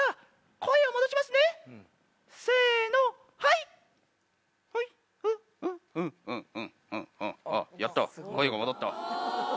声が戻った！